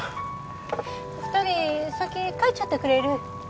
二人先帰っちょってくれる？